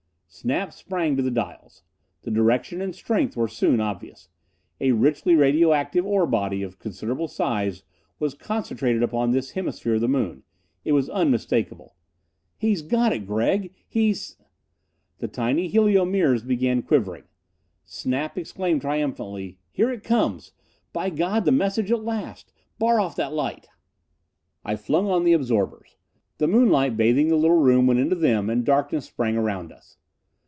Snap sprang to the dials. The direction and strength were soon obvious. A richly radio active ore body, of considerable size, was concentrated upon this hemisphere of the moon! It was unmistakable. "He's got it, Gregg! He's " The tiny helio mirrors began quivering. Snap exclaimed triumphantly, "Here he comes! By God, the message at last! Bar off that light!" I flung on the absorbers. The moonlight bathing the little room went into them and darkness sprang around us.